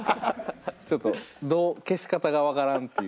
ちょっと消し方が分からんっていう。